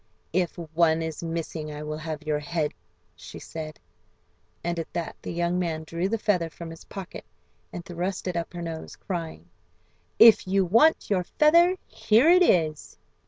"If one is missing I will have your head," said she, and at that the young man drew the feather from his pocket and thrust it up her nose, crying "If you want your feather, here it is."